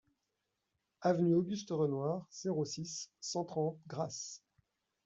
Avenue Auguste Renoir, zéro six, cent trente Grasse